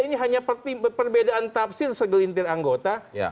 ini hanya perbedaan tafsir segelintir anggota